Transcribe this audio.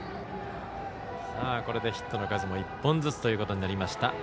これでヒットの数も１本ずつということになりました。